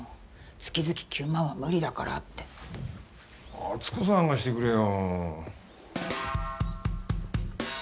月々９万は無理だからって篤子さんがしてくれよ